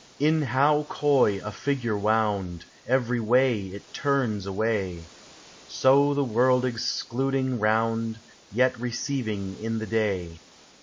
In how coy a figure wound, Every way it turns away; So the world excluding round, Yet receiving in the day.